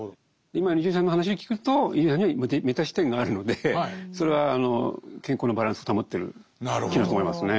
今の伊集院さんの話を聞くと伊集院さんにはメタ視点があるのでそれは健康のバランスを保ってる機能だと思いますね。